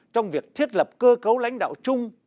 trong việc thiết lập cơ cấu lãnh đạo chung